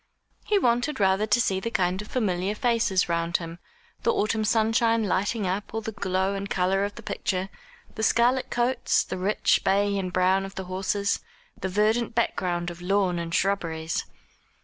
He wanted rather to see the kind familiar faces round him, the autumn sunshine lighting up all the glow and colour of the picture, the scarlet coats, the rich bay and brown of the horses, the verdant background of lawn and shrubberies.